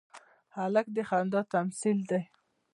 هلک د خندا تمثیل دی.